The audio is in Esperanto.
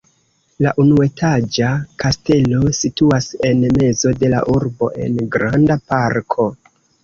La unuetaĝa kastelo situas en mezo de la urbo en granda parko.